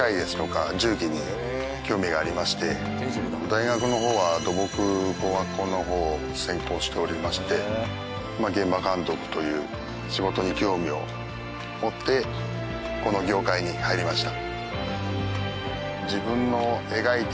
大学の方は土木工学科の方を専攻しておりまして現場監督という仕事に興味を持ってこの業界に入りました。